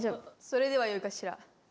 それではよいかしら。